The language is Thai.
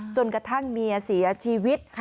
จนกระทั่งเมียเสียชีวิต